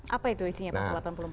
apa itu isinya pasal delapan puluh empat